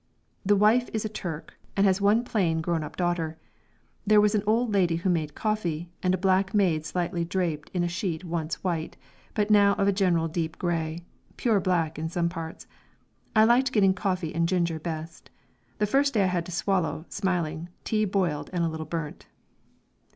The wife is a Turk, and has one plain grown up daughter. There was an old lady who made coffee, and a black maid slightly draped in a sheet once white, but now of a general deep grey, pure black in some parts. I liked getting coffee and ginger best. The first day I had to swallow, smiling, tea boiled and a little burnt.